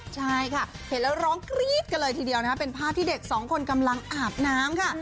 ใช่ค่ะเห็นแล้วร้องกรี๊ดกันเลยทีเดียวนะคะเป็นภาพที่เด็กสองคนกำลังอาบน้ำค่ะ